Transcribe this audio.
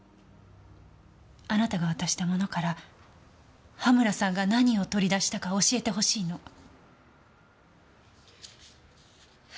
あなたが渡したものから羽村さんが何を取り出したか教えてほしいの。